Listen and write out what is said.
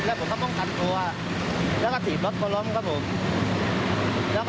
แล้วผมก็ต้องกันทัวร์แล้วก็ถีบรถกำลังครับผม